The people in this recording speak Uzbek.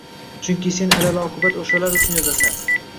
Chunki sen alal-oqibat oʻshalar uchun yozasan